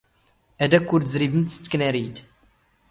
ⴰⴷ ⴰⴽⴽⵯ ⵓⵔ ⵜⵣⵔⵉⴱⵎⵜ ⵙ ⵜⴽⵏⴰⵔⵉⵜ.